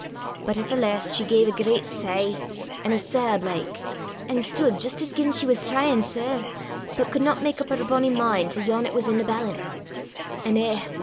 But at the last she gae a gret sich, an' a sab, like, an' stude jist as gien she was tryin' sair, but could not mak up her bonnie min' to yon 'at was i' the ballant. An' eh!